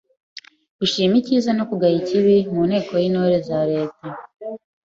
Gushima icyiza no kugaya ikibi mu nteko y’Intore za leta